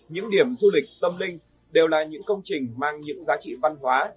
những điểm du lịch tâm linh đều là những công trình mang những giá trị văn hóa